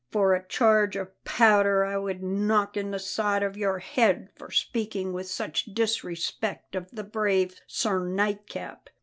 "For a charge of powder I would knock in the side of your head for speaking with such disrespect of the brave Sir Nightcap."